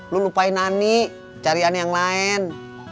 lo lupain ani cari ani yang lain